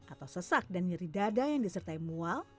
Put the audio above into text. atau sesak dan nyeri dada yang disertai mual